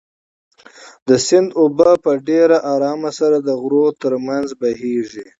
د سیند اوبه په ډېرې ارامۍ سره د غرو تر منځ بهېږي.